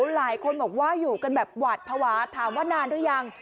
หลายคนบอกว่าอยู่กันแบบหวาดภาวะถามว่านานหรือยัง